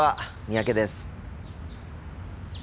三宅です。